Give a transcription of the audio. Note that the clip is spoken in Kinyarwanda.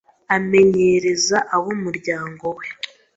amenyereza ab’umuryango we.